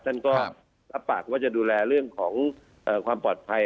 ท่านก็รับปากว่าจะดูแลเรื่องของความปลอดภัย